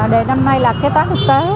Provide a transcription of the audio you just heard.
đề năm nay là kế toán thực tế